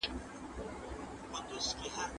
د والدينو اتفاق او يو ځای والي ته سخته اړتيا ده.